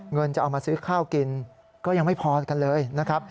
เงินจะเอามาซื้อข้าวกินก็ยังไม่พอกันเลยนะครับ